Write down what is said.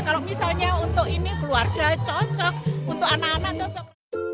kalau misalnya untuk ini keluarga cocok untuk anak anak cocok